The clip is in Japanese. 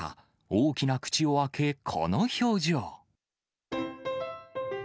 大きな口を開け、この表情。